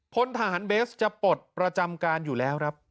พลทหารเบสจะปลดประจำการอยู่แล้วครับ